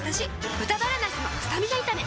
「豚バラなすのスタミナ炒め」